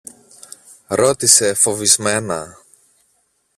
ρώτησε φοβισμένα.